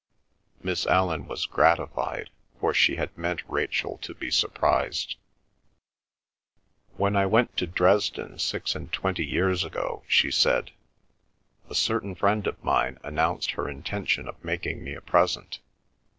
Miss Allan was gratified, for she had meant Rachel to be surprised. "When I went to Dresden six and twenty years ago," she said, "a certain friend of mine announced her intention of making me a present.